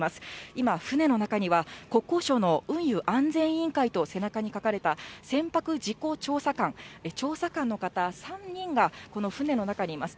今、船の中には、国交省の運輸安全委員会と背中に書かれた船舶事故調査官、調査官の方３人がこの船の中にいます。